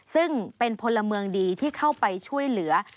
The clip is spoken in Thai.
ซึ่งเป็นพลเมืองดีที่เข้าไปช่วยเหลือ